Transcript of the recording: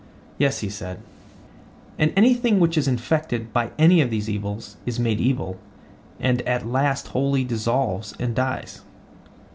Yes, he said. And anything which is infected by any of these evils is made evil, and at last wholly dissolves and dies?